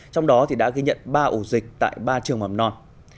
trong đó thì đã ghi nhận ba ủ dịch tại ba trường mầm non